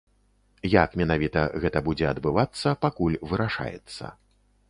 Як менавіта гэта будзе адбывацца, пакуль вырашаецца.